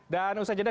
dan usaha jadinya